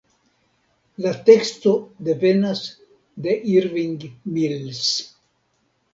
La teksto devenas de Irving Mills.